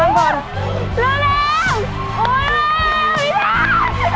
ยังเป็นครั้ง